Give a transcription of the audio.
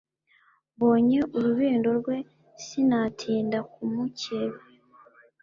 Mbonye urubindo rwe sinatinda kumukeba,